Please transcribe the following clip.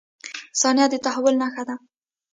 • ثانیه د تحول نښه ده.